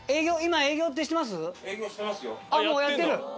ああもうやってる。